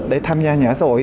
để tham gia nhà ở xã hội